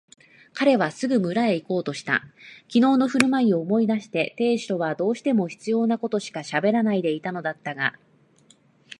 彼はすぐ村へいこうとした。きのうのふるまいを思い出して亭主とはどうしても必要なことしかしゃべらないでいたのだったが、